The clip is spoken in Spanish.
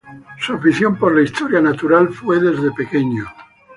Su afición por la historia natural fue desde pequeño.